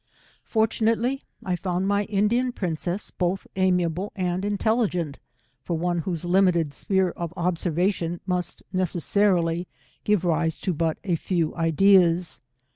Fortunately I found my Indian princess both amiable and intelligent, for one whose limited sphere of observation must necessarily give rire to but a 4cw ideas.